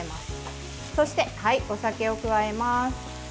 そして、お酒を加えます。